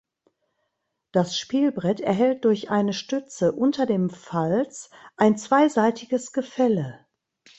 Das Spielbrett erhält durch eine Stütze unter dem Falz ein zweiseitiges Gefälle.